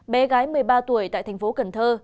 bé gái một mươi ba tuổi tại thành phố cần thơ